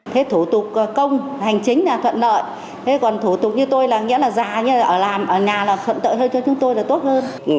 thế thủ tục công hành chính là thuận lợi thế còn thủ tục như tôi là nghĩa là già ở nhà là thuận lợi cho chúng tôi là tốt hơn